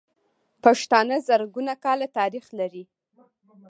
پښتانه زرګونه کاله تاريخ لري.